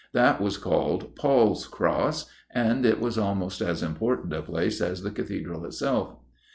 That was called 'Paul's Cross,' and it was almost as important a place as the Cathedral itself.